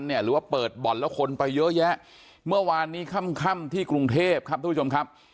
หรือว่าเปิดบ่อนแล้วคนไปเยอะแยะเมื่อวานนี้ค่ำค่ำที่กรุงเทพครับทุกผู้ชมครับ